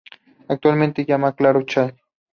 Actualmente llamada Claro Chile.